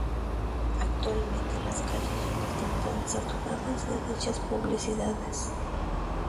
Actualmente las calles ya no están tan saturadas de dichas publicidades.